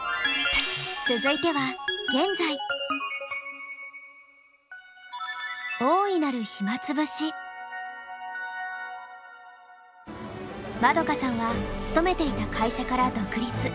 続いては円さんは勤めていた会社から独立。